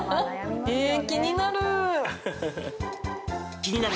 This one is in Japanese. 気になる！